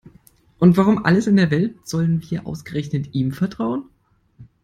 Und warum um alles in der Welt sollten wir ausgerechnet ihm vertrauen?